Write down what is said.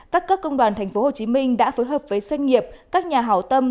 các cấp công đoàn tp hcm đã phối hợp với doanh nghiệp các nhà hảo tâm